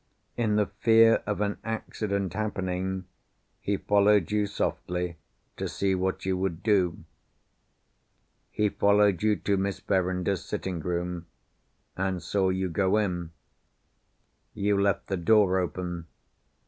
In the fear of an accident happening he followed you softly to see what you would do. He followed you to Miss Verinder's sitting room, and saw you go in. You left the door open.